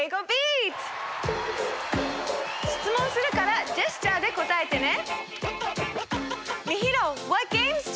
しつもんするからジェスチャーで答えてね。